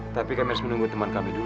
tapi kami harus menunggu teman kami dulu